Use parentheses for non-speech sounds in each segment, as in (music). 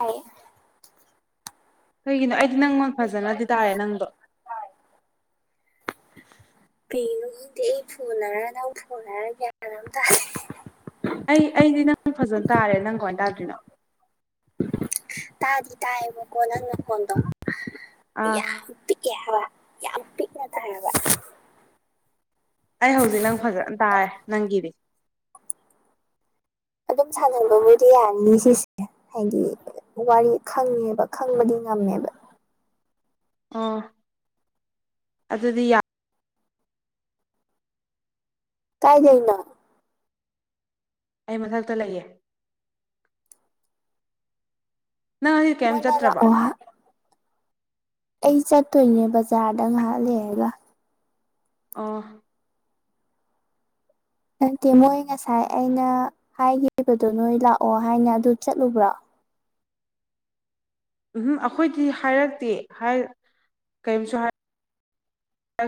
ꯌꯦ ꯀꯩꯒꯤꯅꯣ ꯑꯩꯗꯤ ꯅꯪꯃꯛ ꯐꯖꯅꯗꯤ ꯇꯥꯔꯦ ꯅꯪꯗꯣ (unintelligible) ꯀꯩꯅꯣ ꯈꯪꯗꯤ ꯑꯩ ꯐꯣꯟꯅꯔ ꯅꯪ ꯐꯣꯟ ꯍꯥꯏꯔ ꯒ꯭ꯌꯥꯅ ꯑꯃ ꯇꯥꯔꯦ ꯑꯩ ꯑꯩꯗꯤ ꯅꯪ ꯐꯖꯅ ꯇꯥꯔꯦ ꯅꯪ ꯀꯃꯥꯏꯅ ꯇꯥꯗ꯭ꯔꯤꯅꯣ ꯇꯥꯗꯤ ꯇꯥꯏꯕꯀꯣ ꯅꯪꯅ ꯀꯣꯟꯗꯣ ꯑꯥ ꯌꯥꯝ ꯄꯤꯛꯀꯦ ꯍꯥꯏꯕ ꯌꯥꯝ ꯄꯤꯛꯅ ꯊꯕ ꯑꯩ ꯍꯧꯖꯤꯛ ꯅꯪ ꯐꯖꯅ ꯇꯥꯔꯦ ꯅꯪꯒꯤꯗꯤ ꯑꯗꯨꯝ ꯁꯥꯟꯅꯕꯕꯨꯗꯤ ꯌꯥꯅꯤ ꯁꯤꯁꯦ ꯍꯥꯏꯗꯤ ꯋꯥꯔꯤ ꯈꯪꯉꯦꯕ ꯈꯪꯕꯗꯤ ꯉꯝꯦꯕ ꯑ ꯑꯗꯨꯗꯤ ꯌꯥ ꯀꯥꯏ ꯂꯩꯏꯅ ꯑꯩ ꯃꯊꯛꯇ ꯂꯩꯌꯦ ꯅꯪ ꯉꯁꯤ ꯀꯩꯝ ꯃꯣꯏꯅ ꯆꯠꯇ꯭ꯔꯕꯣ ꯂꯥꯛꯑꯣ ꯑꯩ ꯆꯠ ꯇꯣꯏꯅꯦ ꯕꯖꯥꯔꯗ ꯉꯥꯏꯍꯥꯛ ꯂꯩꯔꯒ ꯑ ꯅꯪꯠꯇꯦ ꯃꯣꯏ ꯉꯁꯥꯏ ꯑꯩꯅ ꯍꯥꯏꯈꯤꯕꯗꯣ ꯅꯣꯏ ꯂꯥꯛꯑꯣ ꯍꯥꯏꯅ ꯑꯗꯨ ꯆꯠꯂꯨꯕ꯭ꯔꯣ ꯎꯝ ꯑꯩꯈꯣꯏꯗꯤ ꯍꯥꯏꯔꯛꯇꯦ ꯀꯔꯤꯝꯁꯨ ꯍꯥꯏ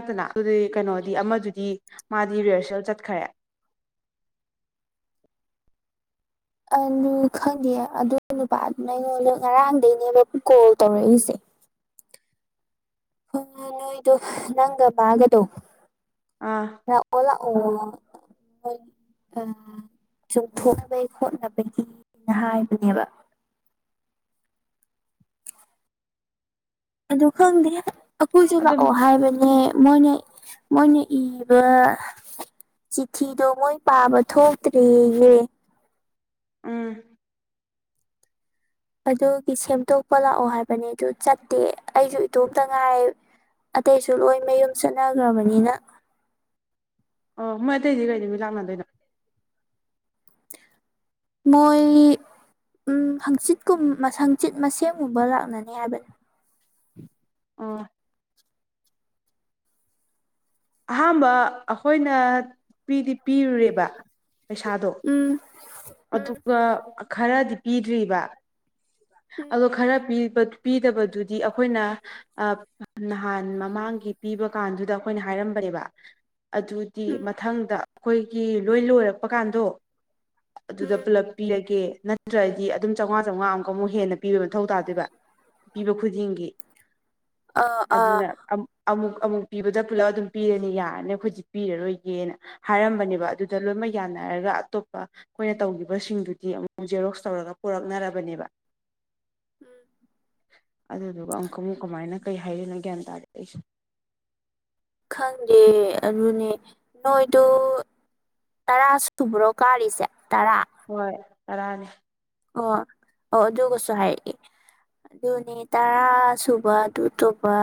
ꯛꯇꯅ ꯑꯗꯨꯗꯤ ꯀꯩꯅꯣꯗꯤ ꯑꯃꯗꯨꯗꯤ ꯃꯥꯗꯤ ꯔꯤꯍꯔꯁꯦꯜ ꯆꯠꯈꯔꯦ ꯑ ꯑꯗꯨ ꯈꯪꯗꯦ ꯑꯗꯨ ꯅꯨꯄꯥ ꯅ ꯑꯩꯉꯣꯟꯗ ꯉꯔꯥꯡꯗꯩꯅꯦꯕ ꯀꯣꯜ ꯇꯧꯔꯛꯏꯁꯦ ꯍ ꯅꯣꯏꯗ ꯅꯪꯒ ꯃꯥꯒꯗꯣ ꯑꯥ ꯅꯪ ꯑꯣꯂꯥꯛꯑꯣ ꯑ ꯆꯣꯡꯊꯣꯛꯅꯕꯒꯤ ꯈꯣꯠꯅꯕꯒꯤꯅ ꯍꯥꯏꯕꯅꯦꯕ ꯑꯗꯨ ꯈꯪꯗꯦ ꯑꯀꯨꯁꯨꯦ ꯑꯗꯨꯝ ꯂꯥꯛꯑꯣ ꯍꯥꯏꯕꯅꯦ ꯃꯣꯏꯅ ꯃꯣꯏꯅ ꯏꯕ ꯆꯤꯊꯤꯗꯣ ꯃꯣꯏ ꯄꯥꯕ ꯊꯣꯛꯇ꯭ꯔꯦꯌꯦꯦ ꯎꯝ ꯑꯗꯨꯒꯤ ꯁꯦꯝꯗꯣꯛꯄ ꯂꯥꯛꯑꯣ ꯍꯥꯏꯕꯅꯦ ꯑꯗꯨ ꯆꯠꯇꯦ ꯑꯩꯁꯨ ꯏꯇꯣꯝꯇ ꯉꯥꯏ ꯑꯇꯩꯁꯨ ꯂꯣꯏ ꯃꯌꯨꯝ ꯆꯠꯅꯈ꯭ꯔꯕꯅꯤꯅ ꯑꯣ ꯃꯣꯏ ꯑꯇꯩꯗꯤ ꯀꯩꯗ ꯃꯤ ꯂꯥꯛꯅꯗꯣꯏꯅꯣ ꯃꯣꯏ ꯎꯝ ꯍꯪꯆꯤꯠꯀꯨꯝ ꯍꯪꯆꯤꯠ ꯃꯁꯦꯝꯒꯨꯝꯕ ꯂꯥꯛꯅꯅꯤ ꯍꯥꯏꯕꯅꯤ ꯑꯥ ꯑꯍꯥꯝꯕ ꯑꯩꯈꯣꯏꯅ ꯄꯤꯗꯤ ꯄꯤꯔꯨꯔꯦꯕ ꯄꯩꯁꯥꯗꯣ ꯎꯝ ꯎꯝ ꯑꯗꯨꯒ ꯈꯔꯗꯤ ꯄꯤꯗ꯭ꯔꯤꯕ ꯎꯝ ꯑꯣ ꯈꯔ ꯄꯤꯗꯕꯗꯨꯗꯤ ꯑꯩꯈꯣꯏꯅ ꯅꯍꯥꯟ ꯃꯃꯥꯡꯒꯤ ꯄꯤꯕ ꯀꯥꯟꯗꯨꯗ ꯑꯩꯈꯣꯏꯅ ꯍꯥꯏ ꯍꯥꯏꯔꯝꯕꯅꯦꯕ ꯑꯗꯨꯗꯤ ꯎꯝ ꯃꯊꯪꯗ ꯑꯩꯈꯣꯏꯒꯤ ꯂꯣꯏ ꯂꯣꯏꯔꯛꯄ ꯀꯥꯟꯗꯣ ꯑꯗꯨꯗ ꯎꯝ ꯄꯨꯂꯞ ꯄꯤꯔꯒꯦ ꯅꯠꯇ꯭ꯔꯗꯤ ꯑꯗꯨꯝ ꯆꯥꯝꯃꯉꯥ ꯆꯥꯃꯉꯥ ꯑꯃꯨꯛ ꯑꯃꯨꯛ ꯍꯦꯟꯅ ꯄꯤꯕ ꯃꯊꯧ ꯇꯥꯗꯣꯏꯕ ꯄꯤꯕ ꯈꯨꯗꯤꯡꯒꯤ ꯑꯥ ꯑꯥ ꯑꯗꯨꯅ ꯑꯃꯨꯛ ꯑꯃꯨꯛ ꯄꯤꯕꯗ ꯄꯨꯜꯂꯞ ꯑꯗꯨꯝ ꯄꯤꯔꯅꯤ ꯌꯥꯔꯅꯤ ꯑꯩꯈꯣꯏꯖꯤ ꯄꯤꯔꯔꯣꯏꯒꯦꯅ ꯍꯥꯏꯔꯝꯕꯅꯦꯕ ꯑꯗꯨꯗ ꯂꯣꯏꯅꯃꯛ ꯌꯥꯅ ꯍꯥꯏꯔꯒ ꯑꯇꯣꯞꯄ ꯑꯩꯈꯣꯏꯅ ꯇꯧꯈꯤꯕꯁꯤꯡꯗꯨꯗꯤ ꯑꯃꯨꯛ ꯖꯦꯔꯣꯛꯁ ꯇꯧꯔꯒ ꯄꯨꯔꯛꯅꯔꯕꯅꯦꯕ ꯎꯝ ꯑꯗꯨꯗꯨꯒ ꯑꯃꯨꯛꯀ ꯑꯃꯨꯛ ꯀꯃꯥꯏꯅ ꯀꯩ ꯍꯥꯏꯔꯤꯣꯏꯅꯣ ꯒ꯭ꯌꯥꯟ ꯇꯥꯔꯦ ꯑꯩꯁꯦ ꯈꯪꯗꯦ ꯑꯗꯨꯅꯦ ꯅꯣꯏꯗꯣ ꯇꯔꯥ ꯁꯨꯕ꯭ꯔꯣ ꯀꯥꯔꯤꯁꯦ ꯇꯔꯥ ꯍꯣꯏ ꯇꯔꯅꯤ ꯑꯣ ꯑꯣ ꯑꯗꯨꯒꯁꯨ ꯍꯥꯏꯔꯛꯑꯦ ꯑꯗꯨꯅꯤ ꯇꯔꯥ ꯁꯨꯕ ꯑꯗꯨ ꯑꯇꯣꯞꯄ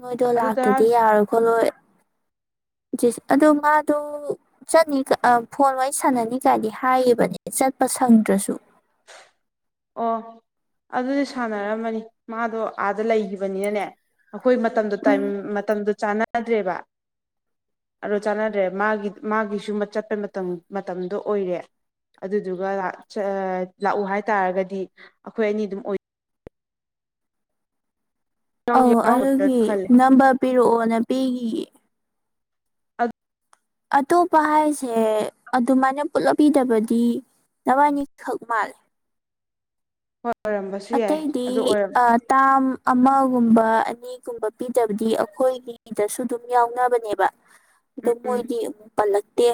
ꯅꯣꯏꯗꯣ ꯑꯗꯨ ꯇꯔꯥ ꯂꯥꯛꯇꯗꯤ ꯌꯥꯔꯣꯏ ꯈꯣꯠꯂꯣꯏ ꯑꯗꯨ ꯃꯥꯗ ꯆꯠꯅꯤ ꯐꯣꯟ ꯋꯥꯔꯤ ꯁꯥꯟꯅꯅꯤ ꯀꯥꯏꯗꯤ ꯍꯥꯏꯌꯦꯕꯅꯦ ꯆꯠꯄ ꯁꯪꯗ꯭ꯔꯁꯨ ꯑꯣ ꯑꯗꯨꯗꯤ ꯁꯥꯟꯅꯔꯝꯃꯅꯤ ꯃꯥꯗꯣ ꯑꯥꯗ ꯂꯩꯈꯤꯕꯅꯤꯅꯅꯦ ꯑꯈꯣꯏ ꯃꯇꯝꯗꯣ ꯎꯝ ꯇꯥꯏꯃ ꯃꯇꯝꯗꯨ ꯆꯥꯟꯅꯗ꯭ꯔꯦꯕ ꯑꯗꯣ ꯆꯥꯟꯅꯗ꯭ꯔꯦ ꯃꯥꯒꯤ ꯃꯥꯒꯤꯁꯨ ꯃ ꯆꯠꯄꯩ ꯃꯇꯝ ꯃꯇꯝꯗꯣ ꯑꯣꯏꯔꯦ ꯑꯗꯨꯗꯨꯒ ꯂꯥꯛ ꯁꯦ ꯂꯥꯛꯎ ꯍꯥꯏꯇꯥꯥꯔꯒꯗꯤ ꯑꯈꯣꯏ ꯑꯅꯤꯗꯨꯝ ꯑꯣꯏ ꯑꯧ ꯌꯥꯎꯔꯝꯒꯗ꯭ꯔꯥ ꯑꯗꯨꯒꯤ ꯈꯜꯂꯦ ꯅꯝꯕ꯭ꯔ ꯄꯤꯔꯛꯑꯣꯅ ꯄꯤꯒꯤ ꯑꯠ ꯑꯇꯣꯞꯄ ꯍꯥꯏꯁꯦ ꯑꯗꯨꯃꯥꯏꯅ ꯄꯨꯂꯞꯕꯤꯗꯕꯗꯤ ꯅꯕꯥꯏꯅꯤ ꯈꯛꯃꯜꯂꯦ ꯍꯣꯏ ꯑꯣꯏꯔꯝꯕꯁꯨ ꯌꯥꯏ ꯑꯇꯩꯗꯤ ꯑꯗꯨ ꯑꯣꯏꯔꯝ ꯑ ꯇꯥꯝ ꯑꯃꯒꯨꯝꯕ ꯑ ꯑꯅꯤꯒꯨꯝꯕ ꯄꯤꯗꯕꯗꯤ ꯑꯩꯈꯣꯏꯒꯤꯗꯁꯨ ꯗꯨꯝ ꯌꯥꯎꯅꯕꯅꯦꯕ ꯎꯝ ꯑꯗꯨ ꯎꯝ ꯃꯣꯏꯗꯤ ꯑꯃꯨꯛ ꯄꯜꯂꯛꯇꯦ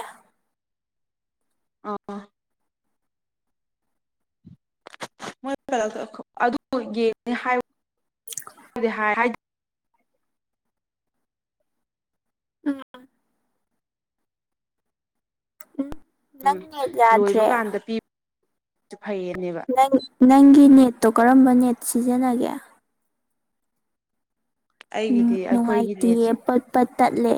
ꯑ ꯃꫭꯏ ꯍꯜꯂꯛꯇ ꯈꫭ ꯑꯗꯨ ꯌꯦꯡꯅꯦ ꯍꯥꯏ ꯍꯥꯏꯗꯤ ꯍꯥꯏ ꯍꯥꯏ ꯎꯝ ꯎꯝ ꯅꯪ ꯎꯝ ꯅꯦꯠ ꯂꯣꯏꯕ ꯌꯥꯗ꯭ꯔꯦ ꯀꯥꯟꯗ ꯄꯤꯕꯁꯨ ꯐꯩꯌꯦꯅꯦꯕ ꯅꯪ ꯅꯪꯒꯤ ꯅꯦꯠꯇꯣ ꯀꯔꯝꯕ ꯅꯦꯠ ꯁꯤꯖꯤꯟꯅꯒꯦ ꯎꯝ ꯑꯩꯒꯤꯗꯤ ꯑꯩꯈꯣꯏꯒꯤ ꯅꯨꯡꯉꯥꯏꯇꯤꯌꯦ ꯅꯦꯠꯁꯤ ꯄꯠ ꯄꯠ ꯇꯠꯂꯦ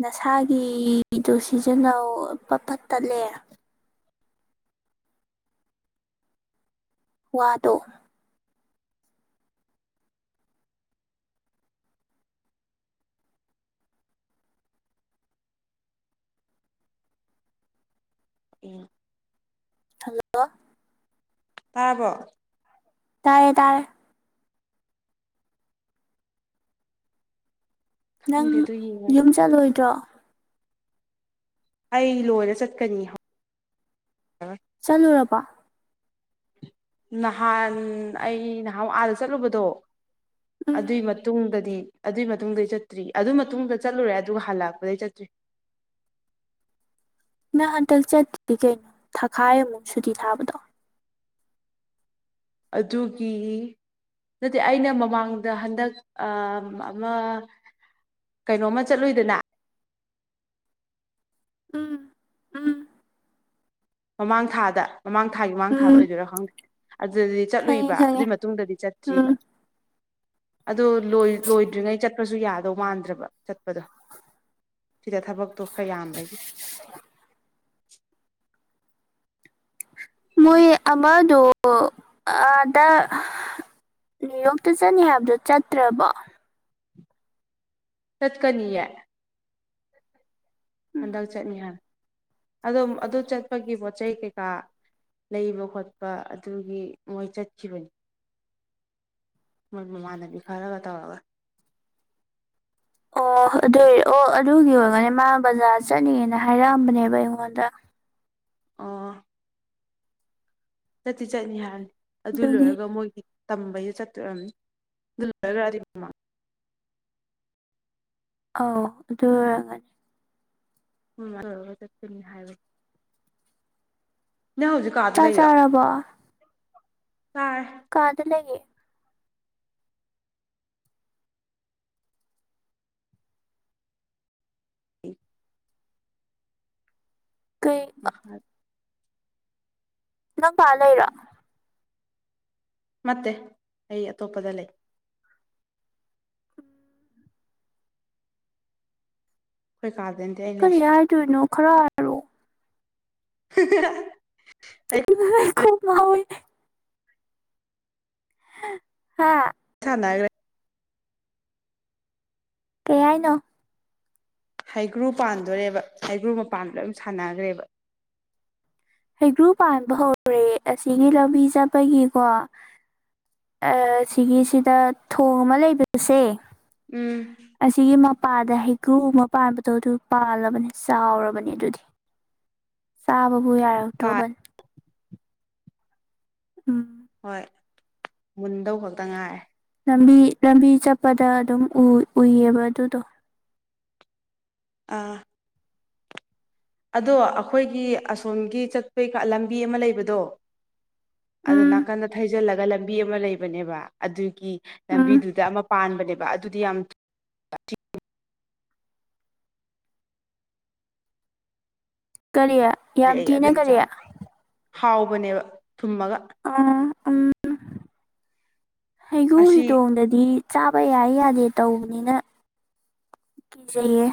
ꯅꯁꯥꯒꯤꯗꯨ ꯁꯤꯖꯤꯟꯅꯧ ꯄꯠ ꯄꯠ ꯇꯠꯂꯦ ꯋꯥꯗꯣ ꯎꯝ ꯍꯜꯂꯣ ꯇꯥꯕꯔꫭ ꯇꯥꯏꯌꯦ ꯇꯥꯔꯦ ꯅꯪ ꯈꯪꯗꯦ ꯑꯗꯨ ꯌꯦꯡꯉꯒꯦ ꯌꯨꯝ ꯆꯠꯂꯣꯏꯗ꯭ꯔꯣ ꯑꯩ ꯂꯣꯏꯔ ꯆꯠꯀꯅꯤ ꯍꯧ ꯆꯠꯂꯨꯔꯕꫭ ꯅꯍꯥꯟ ꯑꯩ ꯅꯍꯥꯟꯃꯨ ꯑꯥꯗ ꯆꯠꯂꯨꯕꯗꯣ ꯎꯝ ꯑꯗꯨꯏ ꯃꯇꯨꯡꯗꯗꯤ ꯑꯗꯨꯏ ꯃꯇꯨꯡꯗꯩ ꯆꯠꯇ꯭ꯔꯤ ꯑꯗꯨ ꯃꯇꯨꯡꯗ ꯆꯠꯂꯨꯔꯦ ꯑꯗꯨꯒ ꯍꯜ ꯂꯛꯄꯗꯩ ꯆꯠꯇ꯭ꯔꯤ ꯅꯪ ꯍꯟꯇꯛ ꯆꯠꯇꯔꯤ ꯀꯩꯅꯣ ꯊꯥꯈꯥꯏ ꯑꯃꯨꯛ ꯁꯨꯇꯤ ꯊꯥꯕꯗꯣ ꯑꯗꯨꯒꯤ ꯑꯗꯨꯗꯤ ꯑꯩꯅ ꯃꯃꯥꯡꯗ ꯍꯟꯗꯛ ꯑ ꯑꯝꯃ ꯀꯩꯅꯣꯝꯃ ꯆꯠꯂꯨꯏꯗꯅ ꯎꯝ ꯎꯝ ꯃꯃꯥꯡ ꯊꯥꯗ ꯃꯃꯥꯡ ꯊꯥꯏ ꯃꯃꯥꯡ ꯊꯥꯗ ꯎꯝ ꯑꯣꯏꯗꯣꯏꯔ ꯈꯪꯗꯦ ꯑꯗꯨꯗꯗꯤ ꯈꯪꯉꯦ ꯆꯠꯂꯨꯏꯕ ꯑꯗꯨꯏ ꯈꯪꯉꯦ ꯃꯇꯨꯡꯗꯗꯤ ꯎꯝ ꯆꯠꯇ꯭ꯔꯤꯕ ꯑꯗꯨ ꯂꫭꯏ ꯂꯣꯏꯗ꯭ꯔꯤꯉꯩ ꯆꯠꯄꯁꯨ ꯌꯥꯗꯧ ꯃꯥꯟꯗ꯭ꯔꯕ ꯆꯠꯄꯗꯣ ꯁꯤꯗ ꯊꯕꯛꯇꯣ ꯈꯔ ꯌꯥꯝꯕꯒꯤ ꯃꯣꯏ ꯑꯃꯗꯣ ꯑꯥꯗ ꯎꯝ ꯅꫭꯛꯇ ꯆꯠꯅꯤ ꯍꯥꯏꯕꯗꯣ ꯆꯠꯇ꯭ꯔꯕꫭ ꯇꯠꯀꯅꯤꯌꯦ ꯎꯝ ꯍꯟꯗꯛ ꯆꯠꯅꯤ ꯍꯥꯏꯕꯅꯦ ꯑꯗꯨ ꯑꯗꯨ ꯆꯠꯄꯒꯤ ꯄꯣꯠ ꯆꯩ ꯀꯩꯀꯥ ꯂꯩꯕ ꯈꯣꯠꯄ ꯑꯗꯨꯒꯤ ꯃꯣꯏ ꯆꯠꯈꯤꯕꯅꯤ ꯃꯣꯏ ꯃꯃꯥꯟꯅꯕꯤ ꯈꯔꯒ ꯇꯧꯔꯒ ꯑꯣ ꯑꯣ ꯑꯗꯨꯏ ꯑꯣ ꯑꯗꯨꯒꯤ ꯑꯣꯏꯔꯝꯒꯅꯤ ꯃꯥ ꯕꯖꯥꯔ ꯆꯠꯅꯤꯅ ꯍꯥꯏꯔ꯭ꯝꯕꯅꯦꯕ ꯑꯩꯉꯣꯟꯗ ꯑꯣ ꯆꯠꯇꯤ ꯆꯠꯅꯤ ꯍꯥꯏꯕꯅꯤ ꯑꯗꯨ ꯑꯗꯨꯒꯤ ꯂꯣꯏꯔꯒ ꯃꯣꯏꯒꯤ ꯇꯝꯕꯩ ꯆꯠꯇꫭꯏ ꯑꫭꯏꯔꯝꯅꯤ ꯑꯗꯨ ꯂꫭꯏꯔꯒ ꯑꯗꯨꯏ ꯃꯃꯥꯡ ꯑꯥꯎ ꯑꯗꯨ ꯑꯣꯏꯔꯝꯒꯅꯤ ꯎꯝ ꯆꯠꯀꯅꯤ ꯍꯥꯏꯕ ꯅꯪ ꯍꯧꯖꯤꯛꯀꯥꯗ ꯆꯥꯛ ꯂꯩꯔ ꯆꯥꯔꯕꯣ ꯀꯗ ꯂꯩꯌꯦꯦ ꯀꯦ ꯃꯈꯥ ꯅꯪ ꯄꯥꯂ ꯂꯩꯔꯥ ꯅꯠꯇꯦ ꯑꯩ ꯑꯇꯣꯞꯄꯗ ꯂꯩ ꯀꯥꯗꯦꯟꯗꯤ ꯑ ꯀꯔꯤ ꯂꯩꯁ ꯍꯥꯏꯗꯣꯏꯅꯣ ꯈꯔ ꯍꯥꯏꯔꯣ ꯍ ꯈꯨꯣꯏ ꯍꯥ ꯦ ꯀꯩ ꯍꯥꯏꯅꯣ ꯍꯩꯒ꯭ꯔꯨ ꯄꯥꯟꯗꯣꯣꯔꯦꯕ ꯍꯩꯒ꯭ꯔꯨ ꯃꯄꯥꯟ ꯂꯣꯏ ꯁꯥꯟꯅꯈ꯭ꯔꯦꯕ ꯍꯩꯒ꯭ꯔꯨ ꯄꯥꯟꯕ ꯍꯧꯔꯦ ꯑꯁꯤꯒꯤ ꯂꯝꯕꯤ ꯆꯠꯄꯒꯤꯀꯣ ꯁꯤꯒꯤꯁꯤꯗ ꯊꯣꯡ ꯑꯃ ꯂꯩꯕꯤꯁꯦ ꯎꯝ ꯑꯁꯤꯁꯒꯤ ꯃ ꯄꯥꯗ ꯍꯩꯒ꯭ꯔꯨ ꯑꯃ ꯄꯥꯟꯕꯗꯣ ꯑꯗꯨ ꯄꯥꯜꯂꯕꯅꯤ ꯆꯥꯎꯔꯕꯅꯦ ꯑꯗꯨꯗꯤ ꯆꯥꯕꯕꯨ ꯄꯥꯏ ꯌꯥꯔꯛꯇ꯭ꯔꯣꯕꯟ ꯎꯝ ꯍꯣꯏ ꯃꯨꯟꯗꯧ ꯈꯛꯇ ꯉꯥꯏꯔꯦ ꯂꯝꯕꯤ ꯂꯝꯕꯤ ꯆꯠꯄꯗ ꯑꯗꯨꯝ ꯎꯏꯌꯦꯕ ꯑꯗꯨꯗꯣ ꯑ ꯑꯗꯣ ꯑꯩꯈꯣꯏꯒꯤ ꯑꯁꯣꯝꯒꯤ ꯆꯠꯄꯩ ꯂꯝꯕꯤ ꯑꯃ ꯂꯩꯕꯗꯣ ꯑꯣ ꯎꯝ ꯅꯥꯀꯟꯗ ꯊꯩꯖꯤꯜꯂꯒ ꯂꯝꯕꯤ ꯑꯃ ꯂꯩꯕꯅꯦꯕ ꯑꯗꯨꯒꯤ ꯎꯝ ꯂꯝꯕꯤꯗꯨꯗ ꯑꯃ ꯄꯥꯟꯕꯅꯦꯕ ꯑꯗꯨꯗꯤ ꯌꯥꯝ ꯀꯔꯤ ꯌꯥꯝ ꯊꯨꯔꯛꯑꯦ ꯊꯤꯅ ꯑꯗꯨꯗꯤ ꯀꯔꯤ ꯆꯥꯏ ꯍꯥꯎꯕꯅꯦꯕ ꯊꯨꯝꯃꯒ ꯎꯟ ꯍꯒꯣ ꯑꯁꯤ ꯍꯤꯗꯣꯡꯗꯗꯤ ꯆꯥꯕ ꯌꯥꯏ ꯌꯥꯗꯦ ꯇꯧꯕꯅꯤꯅ ꯀꯤꯖꯩꯌꯦ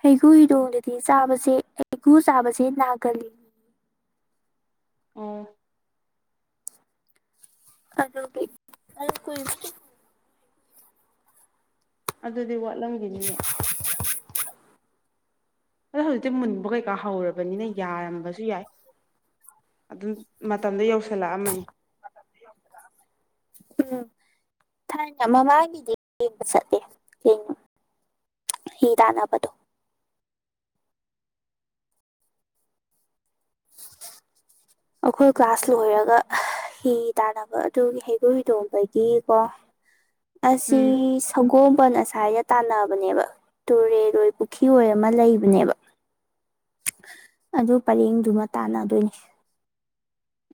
ꯍꯩꯒꯨ ꯍꯤꯗꯣꯡꯗꯗꯤ ꯆꯥꯕꯁꯦ ꯍꯩꯒꯨ ꯆꯥꯕꯁꯦ ꯅꯥꯒꯜꯂꯤ ꯑꯣ ꯑꯗꯣ ꯑꯣꯏ ꯑꯗꯨꯗꯤ ꯋꯥꯠꯂꯝꯈꯤꯅꯤꯌꯦ ꯑꯗꯣ ꯍꯧꯖꯤꯛꯇꯤ ꯃꯨꯟꯕ ꯀꯩꯀꯥ ꯍꯧꯔꯕꯅꯤꯅ ꯌꯥꯔꯝꯕꯁꯨ ꯌꯥꯏ ꯑꯗꯨꯝ ꯃꯇꯝꯗ ꯌꯧꯁꯤꯜꯂꯛꯑꯝꯃꯅꯤ ꯎꯝ ꯊꯥꯏꯅ ꯃꯃꯥꯒꯤꯗꯤ ꯌꯦꯡꯕ ꯆꯠꯂꯦ ꯀꯩꯅꯣ ꯍꯤ ꯇꯥꯟꯅꯕꯗꯣ ꯑꯩꯈꯣꯏ ꯀ꯭ꯂꯥꯁ ꯂꯣꯏꯔꯒ ꯍꯤ ꯇꯥꯟꯅꯕ ꯑꯗꯨꯒꯤ ꯍꯩꯒ꯭ꯔꯨ ꯍꯗꯣꯡꯝꯕꯒꯤꯀꯣ ꯑꯁꯤꯁꯤ ꯎꯝ ꯁꯒꯣ ꯄꯣꯣꯟ ꯑꯁ꯭ꯏꯗ ꯇꯥꯟꯅꯕꯅꯦꯕ ꯇꯨꯔꯦꯜꯣꯏ ꯄꯨꯈ꯭ꯔꯤꯔꯣꯏ ꯑꯃ ꯂꯩꯕꯅꯦꯕ ꯑꯗꯨ ꯄꯔꯦꯡꯗꯨꯃ ꯇꯥꯟꯅꯗꯣꯏꯅꯤ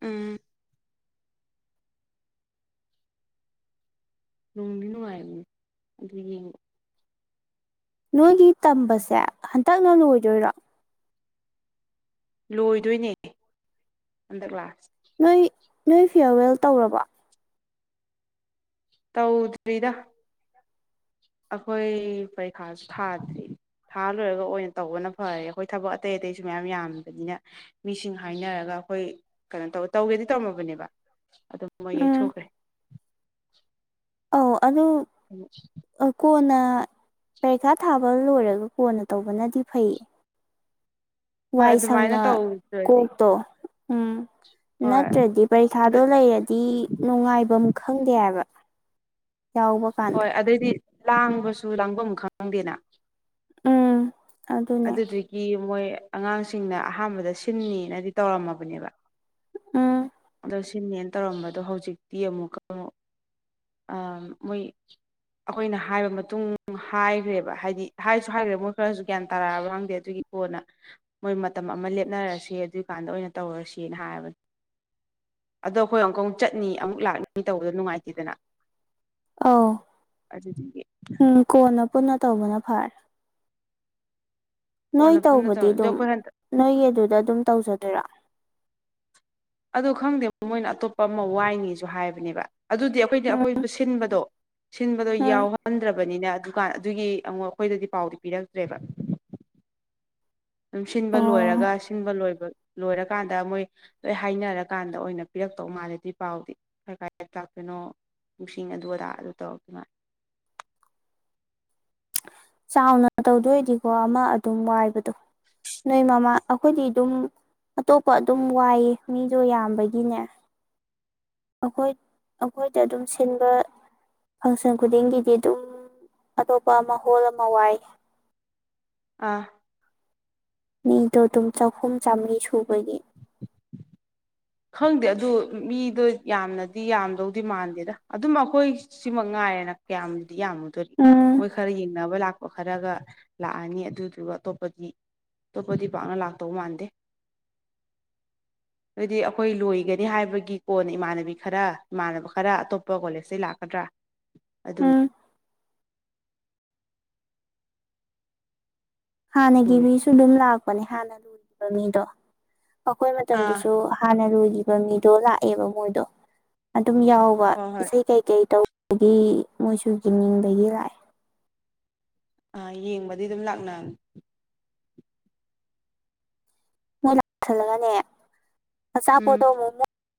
ꯎꯝ ꯂꯣꯡꯕꯤ ꯅꯨꯡꯉꯥꯏꯔꯅꯦ ꯑꯗꯨ ꯌꯦꯡꯉ ꯅꯣꯏꯒꯤ ꯇꯝꯕꯁꯦ ꯍꯟꯇꯛꯅ ꯂꯣꯏꯗꯣꯏꯔꯣ ꯂꯣꯏꯗꯣꯏꯅꯦ ꯍꯟꯗꯛ ꯂꯥꯛ ꯅꯣꯏ ꯅꯣꯏ ꯐꯤꯌꯥꯔꯋꯦꯜ ꯇꯧꯔꯕ ꯇꯧꯗ꯭ꯔꯔꯤꯗ ꯑꯩꯈꯣꯏ ꯐꯩ ꯈꯥꯁ ꯊꯥ ꯊꯔꯤ ꯊꯥ ꯂꯣꯏꯔꯒ ꯑꯣꯏꯅ ꯇꯧꯕꯅ ꯐꯔꯦ ꯑꯩꯈꯣꯏ ꯊꯕꯛ ꯑꯇꯩ ꯑꯇꯩꯁꯨ ꯃꯌꯥꯝ ꯌꯥꯝꯕꯅꯤꯅ ꯃꯤꯁꯤꯡ ꯍꯥꯏꯅꯔꯒ ꯑꯩꯈꯣꯏ ꯀꯩꯅꯣ ꯇꯧ ꯇꯧꯒꯦꯗꯤ ꯇꯧꯝꯃꯕꯅꯦꯕ ꯑꯗꯨ ꯃꯣꯏ ꯎꯝ ꯌꯩꯊꯣꯛꯈ꯭ꯔꯦ ꯑꯧ ꯑꯗꯨ ꯀꯣꯟꯅ ꯄꯔꯤꯈꯥ ꯊꯥꯕ ꯂꯣꯏꯔꯒ ꯀꯣꯟꯅ ꯇꯧꯕꯅꯗꯤ ꯐꯩ ꯍꯣꯏ ꯋꯥꯏ ꯑꯗꯨꯃꯥꯏꯅ ꯁꯪꯅ ꯇꯧꯗ꯭ꯔꯗꯤ ꯀꯣꯛꯇꯣ ꯎꯝ ꯍꯣꯏ ꯅꯠꯇ꯭ꯔꯗꯤ ꯄꯔꯤꯈꯥꯗꯣ ꯂꯩꯔꯗꯤ ꯅꯨꯡꯉꯥꯏꯕꯝ ꯈꯪꯗꯦ ꯍꯥꯏꯕ ꯌꯥꯎꯕ ꯀꯥꯟꯗ ꯍꯣꯏ ꯑꯗꯩꯗꯤ ꯂꯥꯡꯕꯁꯨ ꯂꯥꯡꯐꯝ ꯑꯃ ꯈꯪꯪꯗꯦꯅ ꯎꯝ ꯑꯗꯨꯅꯦ ꯑꯗꯨꯗꯒꯤ ꯃꯣꯏ ꯑꯉꯥꯡꯁꯤꯡꯅ ꯑꯍꯥꯟꯕꯗ ꯁꯤꯟꯅꯤꯅꯗꯤ ꯇꯧꯔꯝꯃꯕꯅꯦꯕ ꯎꯝ ꯁꯤꯅꯦꯅ ꯇꯧꯔꯝꯕꯗꯣ ꯍꯧꯖꯤꯛꯇꯤ ꯑꯃꯨꯛꯀ ꯑꯃꯨꯛ ꯃꯣꯏ ꯑꯩꯈꯣꯏꯅ ꯍꯥꯏꯕ ꯃꯇꯨꯡ ꯍꯥꯏꯈ꯭ꯔꯦꯕ ꯍꯥꯏꯗꯤ ꯍꯥꯏꯁꯨ ꯍꯥꯏꯈ꯭ꯔꯦ ꯃꯣꯏ ꯈꯔꯁꯨ ꯒ꯭ꯌꯥꯟ ꯇꯥꯔꯛꯑꯕ ꯈꯪꯗꯦ ꯑꯗꯨꯒꯤ ꯀꯣꯟꯅ ꯃꯣꯏ ꯃꯇꯝ ꯑꯃ ꯂꯦꯞꯅꯔꯁꯦ ꯑꯗꯨꯒꯤꯀꯥꯟꯗ ꯑꯣꯏꯅ ꯇꯧꯔꯁꯦꯅ ꯍꯥꯏꯕꯅꯤ ꯑꯗꯣ ꯑꯩꯈꯣꯏ ꯑꯃꯨꯛꯀ ꯑꯃꯨꯛ ꯆꯠꯅꯤ ꯑꯃꯨꯛ ꯂꯥꯛꯅꯤ ꯇꯧꯕꯗꯣ ꯅꯨꯡꯉꯥꯏꯇꯦꯗꯅ ꯑ ꯑꯗꯨꯗꯨꯒꯤ ꯎꯝ ꯀꯅ ꯄꯨꯟꯅ ꯇꯧꯕꯅ ꯐꯔꯦ ꯅꯣꯏ ꯀꯣꯟꯅ ꯄꯨꯟꯅ ꯇꯧꯕꯗꯤ ꯇꯧꯔ ꯑꯗꯣ ꯑꯗꯨꯝ ꯑꯩꯈꯣꯏ ꯍꯟꯗꯛ ꯅꯣꯏꯒꯤ ꯑꯗꯨꯗ ꯑꯗꯨꯝ ꯇꯧꯖꯗꯣꯏꯔꯥ ꯑꯣ ꯈꯪꯗꯦ ꯃꯣꯏꯅ ꯑꯇꯣꯞꯄ ꯑꯃ ꯋꯥꯏꯉꯁꯨ ꯍꯥꯏꯕꯅꯦꯕ ꯑꯗꯨꯗꯤ ꯑꯩꯈꯣꯏꯅ ꯎꯝ ꯑꯈꯣꯏꯕ ꯁꯤꯟꯕꯗꯣ ꯁꯤꯟꯕꯗꯣ ꯎꯝ ꯌꯥꯎꯍꯟꯗ꯭ꯔꯕꯅꯤꯅ ꯗꯨꯀꯥꯟ ꯑꯗꯨꯒꯤ ꯑꯃꯨꯛ ꯑꯩꯈꯣꯏꯗꯗꯤ ꯄꯥꯎꯗꯤ ꯄꯤꯔꯛꯇ꯭ꯔꯦꯕ ꯑꯗꯨꯝ ꯁꯤꯟꯕ ꯑꯣ ꯂꯣꯏꯔꯒ ꯁꯤꯟꯕ ꯂꯣꯏꯕ ꯂꯣꯏꯔꯀꯥꯟꯗ ꯃꯣꯏ ꯂꯣꯏ ꯍꯥꯏꯅꯔꯀꯥꯟꯗ ꯑꯣꯏꯅ ꯄꯤꯔꯛꯇꯧ ꯃꯥꯜꯂꯗꯤ ꯄꯥꯎꯗꯤ ꯀꯔ ꯀꯥꯏꯗ ꯇꯥꯛꯇꯣꯏꯅꯣ ꯁꯤꯡ ꯑꯗꯨ ꯑꯗꯥ ꯑꯗꯨ ꯇꯧꯔꯛꯛꯇ ꯃꯥ ꯆꯥꯎꯅ ꯇꯧꯗꯣꯏꯗꯤꯀꯣ ꯑꯃ ꯑꯗꯨꯝ ꯋꯥꯏꯕꯗꯣ ꯅꯣꯏ ꯃꯃꯥ ꯑꯩꯈꯣꯏꯗꯤ ꯑꯗꯨꯝ ꯑꯇꯣꯞꯄ ꯑꯗꯨꯝ ꯋꯥꯏꯑ ꯃꯤꯁꯨꯣ ꯌꯥꯝꯕꯒꯤꯅꯦ ꯑꯩꯈꯣꯏ ꯑꯩꯈꯣꯏꯗ ꯑꯗꯨꯝ ꯁꯤꯟꯕ ꯐꯪꯁꯟ ꯈꯨꯗꯤꯡꯒꯤꯗꯤ ꯑꯗꯨꯝ ꯑꯇꯣꯞꯄ ꯑꯃ ꯍꯣꯜ ꯑꯃ ꯋꯥꯏ ꯑꯥ ꯃꯤꯗꯣ ꯑꯗꯨꯝ ꯆꯥꯛꯈꯨꯝ ꯆꯥꯝꯃꯔꯤ ꯁꯨꯕꯒꯤ ꯈꯪꯗꯦ ꯑꯗꯨ ꯃꯤꯗꯣ ꯌꯥꯝꯅꯗꯤ ꯌꯥꯝꯗꯧꯗꯤ ꯃꯥꯟꯗꯦꯗ ꯑꯗꯨꯝ ꯑꯩꯈꯣꯏ ꯁꯤ ꯃꯛꯉꯥꯏ ꯌꯥꯝ ꯌꯥꯝꯃꯨꯗꯣꯔꯤ ꯎꯝ ꯃꯣꯏ ꯈꯔ ꯌꯦꯡꯅꯕ ꯂꯛ ꯈꯔꯒ ꯂꯥꯛꯑꯅꯤ ꯑꯗꯨꯗꯨꯒ ꯑꯇꯣꯞꯄꯗꯤ ꯑꯇꯣꯞꯄꯗꯤ ꯄꯥꯛꯅ ꯂꯥꯛꯇꯧ ꯃꯥꯟꯗꯦ ꯑꯗꯨꯗꯤ ꯑꯩꯈꯣꯏ ꯂꯣꯏꯒꯅꯤ ꯍꯥꯏꯕꯒꯤ ꯀꯣꯟꯅ ꯏꯃꯥꯟꯅꯕꯤ ꯈꯔ ꯏꯃꯥꯟꯅꯕ ꯈꯔ ꯑꯇꯣꯞꯄ ꯀꯣꯂꯦꯖꯇꯩ ꯂꯥꯛꯀꯗ꯭ꯔꯥ ꯑꯗꯨꯝ ꯎꯝ ꯍꯥꯟꯅꯒꯤ ꯎꯔꯦ ꯃꯤꯁꯨ ꯑꯗꯨꯝ ꯂꯥꯛꯄꯅꯦ ꯍꯥꯟꯅ ꯂꯩꯔꯤꯕ ꯃꯤꯗꯣ ꯑꯩꯈꯣꯏ ꯑꯥ ꯃꯇꯝꯗꯁꯨ ꯍꯥꯟꯅ ꯂꯣꯏꯈꯤꯕ ꯃꯤꯗꯣ ꯂꯥꯛꯑꯦꯕ ꯃꯣꯏꯗꯣ ꯑꯗꯨꯝ ꯌꯥꯎꯕ ꯍꯣꯏ ꯍꯣꯏ ꯏꯁꯩ ꯀꯩꯀꯩ ꯇꯧꯕꯒꯤ ꯃꯣꯏꯁꯨ ꯌꯦꯡꯅꯤꯡꯕꯒꯤ ꯂꯥꯛꯑꯦ ꯑꯥ ꯌꯦꯡꯕꯗꯤ ꯑꯗꯨꯝ ꯂꯥꯛꯅꯅꯤ ꯃꯣꯏ ꯂꯥꯛꯁꯤꯜꯂꯒꯅꯦ ꯎꯝ ꯑꯆꯥꯄꯣꯠꯇꯣ ꯑꯃꯨꯛ